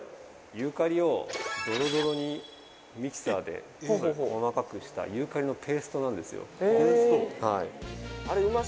ユーカリをドロドロにミキサーで細かくしたユーカリのペーストなんですよ